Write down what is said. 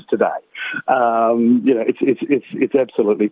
ini adalah waktu yang benar benar terbaik